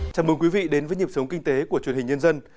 chào mừng quý vị đến với nhịp sống kinh tế của truyền hình nhân dân